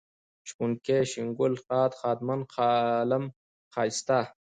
شپونکی ، شين گل ، ښاد ، ښادمن ، ښالم ، ښايسته